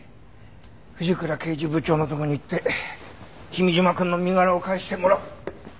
藤倉刑事部長のとこに行って君嶋くんの身柄を返してもらう。